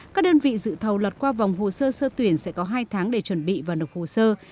các đơn vị dự thầu lọt qua vòng hồ sơ sơ tuyển sẽ có hai tháng để chuẩn bị và nộp hồ sơ